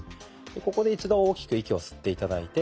ここで一度大きく息を吸って頂いて。